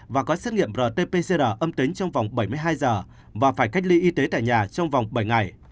và có xét nghiệm rt pcr âm tính trong vòng bảy mươi hai giờ và phải cách ly y tế tại nhà trong vòng bảy ngày